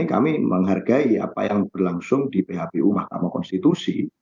kami menghargai apa yang berlangsung di phpu mahkamah konstitusi